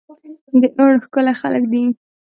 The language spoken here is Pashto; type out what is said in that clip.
داوړ ښکلي خلک دي